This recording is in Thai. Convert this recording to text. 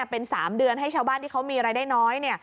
เป็น๓เดือนให้ชาวบ้านที่เขามีรายได้น้อย